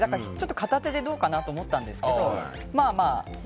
片手でどうかな？と思ったんですけれども。